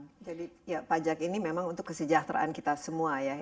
jadi pajak ini memang untuk kesejahteraan kita semua ya